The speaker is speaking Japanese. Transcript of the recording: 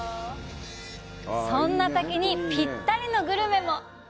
そんな滝にぴったりのグルメも！